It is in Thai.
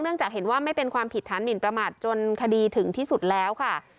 จากเห็นว่าไม่เป็นความผิดฐานหมินประมาทจนคดีถึงที่สุดแล้วค่ะ